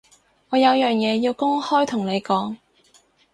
我有樣嘢要公開同你講